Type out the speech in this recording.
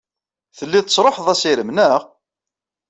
Tellid tesṛuḥed assirem, naɣ?